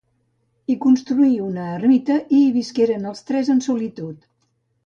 Hi construí una ermita i hi visqueren els tres en solitud.